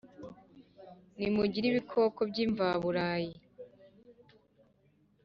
Nimugwire Bikoko by'imva-burayi